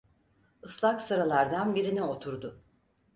Islak sıralardan birine oturdu.